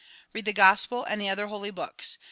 Read the gospel and the other holy books.